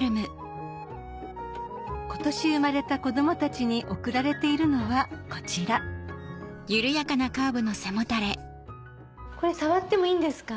今年生まれた子供たちに贈られているのはこちらこれ触ってもいいんですか？